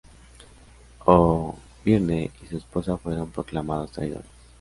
O'Byrne y su esposa fueron proclamados traidores.